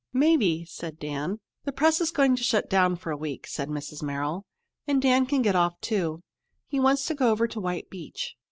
"Maybe," said Dan. "The press is going to shut down for a week," said Mrs. Merrill, "and Dan can get off, too. He wants to go over to White Beach.